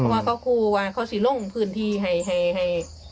ว่าเขากลัวว่าเขาสิลงพื้นที่ให้